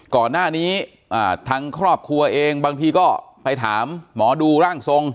ก่อนหน้านี้ทางครอบครัวเองบางทีก็ไปถามหมอดูร่างทรง